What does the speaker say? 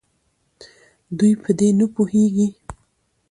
دوي په دې نپوهيږي